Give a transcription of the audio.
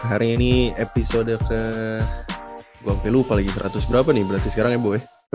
hari ini episode ke gue sampe lupa lagi seratus berapa nih berarti sekarang ya bo